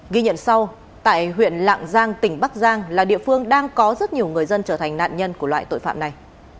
ghi nhận sau tại huyện lạng giang tỉnh bắc giang là địa phương đang có rất nhiều người dân trở thành nạn nhân của loại tội phạm này